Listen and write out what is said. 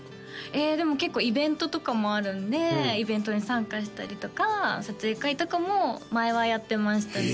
えでも結構イベントとかもあるんでイベントに参加したりとか撮影会とかも前はやってましたね